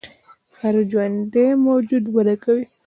هر ژوندی موجود وده کوي